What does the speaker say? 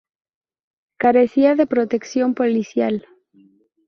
Carecía de protección policial.